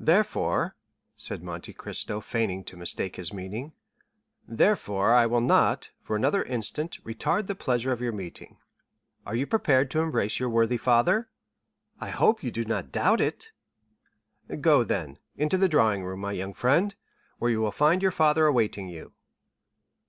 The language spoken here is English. "Therefore," said Monte Cristo feigning to mistake his meaning—"therefore I will not, for another instant, retard the pleasure of your meeting. Are you prepared to embrace your worthy father?" "I hope you do not doubt it." 30137m "Go, then, into the drawing room, my young friend, where you will find your father awaiting you."